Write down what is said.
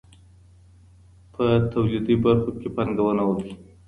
په توليدي برخو کي پانګونه وکړئ.